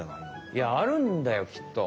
いやあるんだよきっと！